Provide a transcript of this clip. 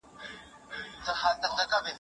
ها درواخله،